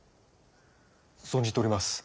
存じております。